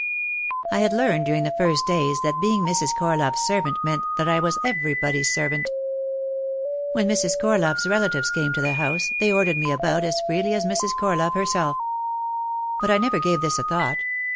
I had learned during the first days that being Mrs. Corlove' s servant meant that I was everybody's servant. When Mrs. Corlove's relatives came to the house they ordered me about as freely as Mrs. Corlove herself. But I never gave this a thought.